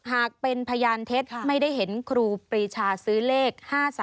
หากเป็นพยานเท็จไม่ได้เห็นครูปรีชาซื้อเลข๕๓